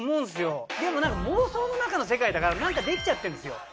でもなんか妄想の中の世界だからなんかできちゃってるんですよ。